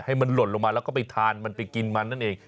ให้มันหล่นลงมาแล้วก็ไปทานมันไปกินมันนั่นเอง